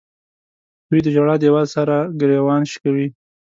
دوی د ژړا دیوال سره ګریوان شکوي.